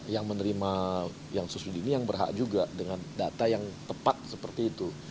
yang menerima yang subsidi ini yang berhak juga dengan data yang tepat seperti itu